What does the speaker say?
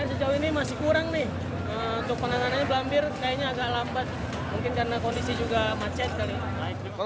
sejauh ini masih kurang nih untuk penanganannya belampir kayaknya agak lambat mungkin karena kondisi juga macet kali